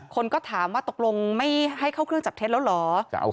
คนก็ถามว่าตกลงไม่ให้เข้าเครื่องจับเท็จแล้วเหรอ